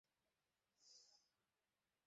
হ্যাঁ মিমি-র জামাই।